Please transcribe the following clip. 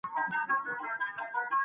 اخلاقي معیار د ټولنې د پرمختګ نښه ده.